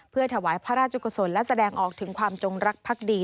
เพื่อถวายพระราชกุศลและแสดงออกถึงความจงรักภักดี